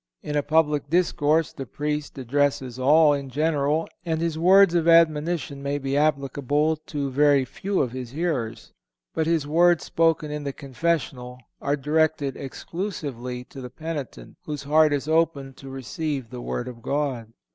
In a public discourse the Priest addresses all in general, and his words of admonition may be applicable to very few of his hearers. But his words spoken in the confessional are directed exclusively to the penitent, whose heart is open to receive the Word of God.